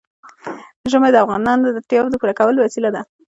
ژمی د افغانانو د اړتیاوو د پوره کولو وسیله ده.